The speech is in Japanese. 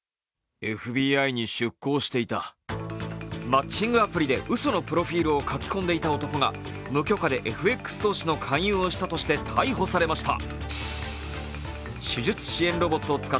マッチングアプリでうそのプロフィールを書き込んでいた男が無許可でＦＸ投資の勧誘をしたとして逮捕されました。